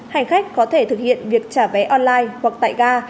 hành khách có thể thực hiện việc trả vé online hoặc tại ga